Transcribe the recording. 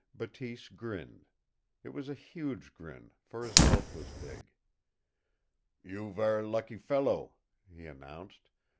Bateese grinned. It was a huge grin, for his mouth was big. "You ver' lucky fellow," he announced.